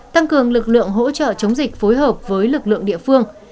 tăng cường lực lượng hỗ trợ chống dịch phối hợp với lực lượng địa phương